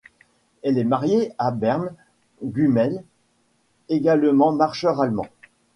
Elle est mariée à Bernd Gummelt, également marcheur allemand.